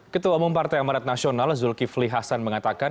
ketua umum partai amarat nasional zulkifli hasan mengatakan